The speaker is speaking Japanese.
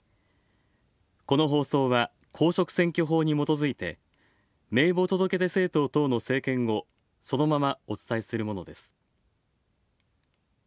この放送は公職選挙法にもとづいて名簿届出政党等の政見をそのままお伝えするものです。